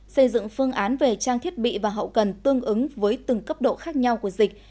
xây dựng phương án về trang thiết bị và hậu cần tương ứng với từng cấp độ khác nhau của dịch